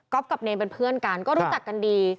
กับเนรเป็นเพื่อนกันก็รู้จักกันดี